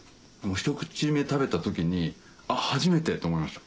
ひと口目食べた時に「初めて」と思いました。